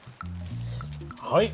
はい。